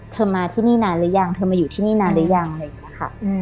เธอมาที่นี่นานหรือยังเธอมาอยู่ที่นี่นานหรือยังเลยค่ะอืม